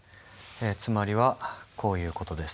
つまりはこういう事です。